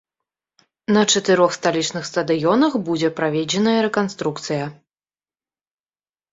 На чатырох сталічных стадыёнах будзе праведзеная рэканструкцыя.